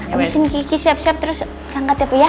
abisin kiki siap siap terus rangkat ya bu ya